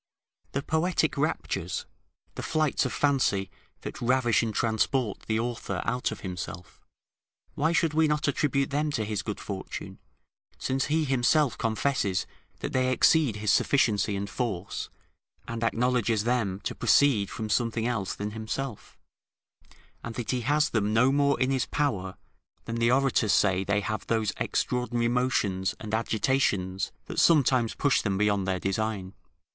The poetic raptures, the flights of fancy, that ravish and transport the author out of himself, why should we not attribute them to his good fortune, since he himself confesses that they exceed his sufficiency and force, and acknowledges them to proceed from something else than himself, and that he has them no more in his power than the orators say they have those extraordinary motions and agitations that sometimes push them beyond their design.